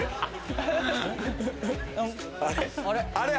あれ？